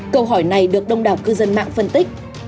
câu hỏi này được đông đảo cư dân mạng phân tích